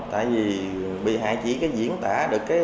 tại vì bị hại chỉ có diễn tả được